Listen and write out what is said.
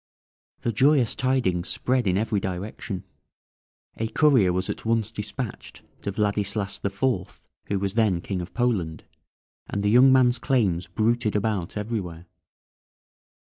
The joyous tidings spread in every direction; a courier was at once despatched to Vladislas the Fourth, who was then King of Poland, and the young man's claims bruited about everywhere.